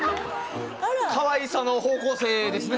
かわいさの方向性ですね。